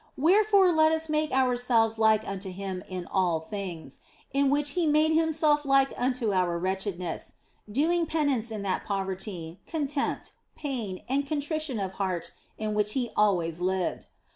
Where fore let us make ourselves like unto Him in all things (in which He made Himself like unto our wretchedness), doing penance in that poverty, contempt, pain, and con trition of heart in which He always lived.